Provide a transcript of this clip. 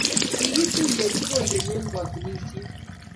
Ki tuiyech koigeny eng katunisiet